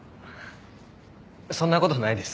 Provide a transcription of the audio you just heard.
そんなことないです。